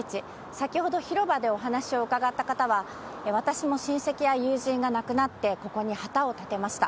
先ほど広場でお話を伺った方は、私も親戚や友人が亡くなってここに旗を立てました。